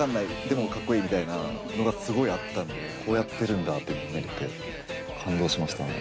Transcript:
でもかっこいいみたいなのがすごいあったんでこうやってるんだっていうのが見れて感動しましたね。